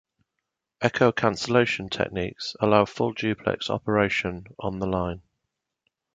Echo cancellation techniques allow full-duplex operation on the line.